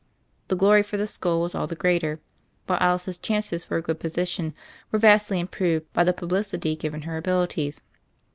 The glory for the school was all the greater; while Alice's chances for a good position were vastly im proved by the publicity given her abilities.